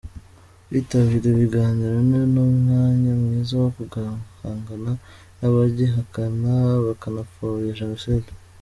Kwitabira ibiganiro ni n’umwanya mwiza wo guhangana n’abagihakana bakanapfobya jenoside.